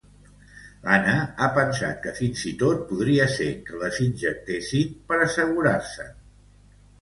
L'Anna ha pensat que fins i tot podria ser que les injectessin per assegurar-se'n.